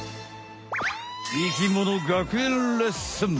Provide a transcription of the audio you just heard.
生きもの学園レッスン。